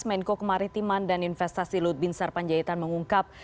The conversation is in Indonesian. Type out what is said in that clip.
menko kemaritiman dan investasi lutbinsar panjaitan mengungkap